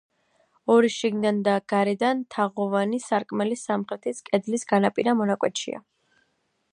ორი შიგნიდან და გარედან თაღოვანი სარკმელი სამხრეთის კედლის განაპირა მონაკვეთშია.